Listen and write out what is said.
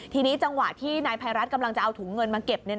ทีนี้จังหวะที่นายภัยรัฐกำลังจะเอาถุงเงินมาเก็บ